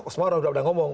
semua orang sudah ngomong